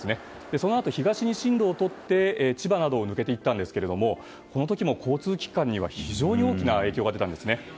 そのあと、東に進路を取って千葉などを抜けていったんですけどこの時にも交通機関などには非常に大きな影響が出たんですね。